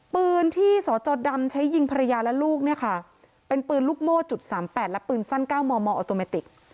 ปืนที่สจดำใช้ยิงภรรยาและลูกเป็นปืนลูกโม่๓๘และปืนสั้น๙มมออตโมติก